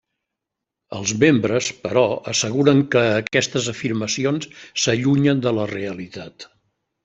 Els membres, però, asseguren que aquestes afirmacions s'allunyen de la realitat.